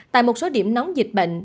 tại một số điểm nóng dịch bệnh